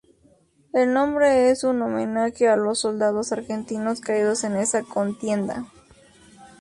El nombre es un homenaje a los soldados argentinos caídos en esa contienda.